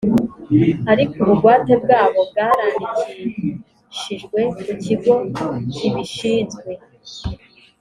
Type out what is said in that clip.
ariko ubugwate bwabo bwarandikishijwe ku cyigo kibishinzwe